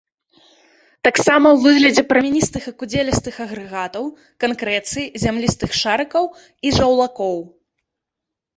Таксама ў выглядзе прамяністых і кудзелістых агрэгатаў, канкрэцыі, зямлістых шарыкаў і жаўлакоў.